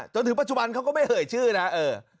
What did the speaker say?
จนถึงปัจจุบันเขาก็ไม่เอ่ยชื่อนะเออ